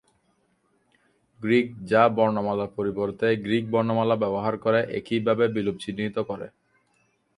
Greek, যা Latin বর্ণমালার পরিবর্তে গ্রীক বর্ণমালা ব্যবহার করে, একইভাবে বিলোপ চিহ্নিত করে।